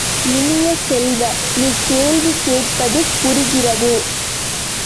இனிய செல்வ, நீ கேள்வி கேட்பது புரிகிறது.